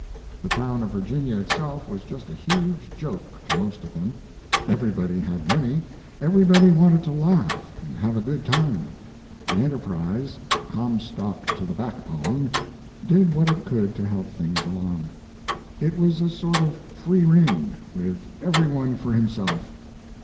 The town of Virginia itself was just a huge joke to most of them. Everybody had, money; everybody wanted to laugh and have a good time. The Enterprise, "Comstock to the backbone," did what it could to help things along. It was a sort of free ring, with every one for himself.